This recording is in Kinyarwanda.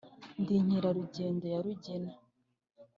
ndi inkerarugendo ya rugina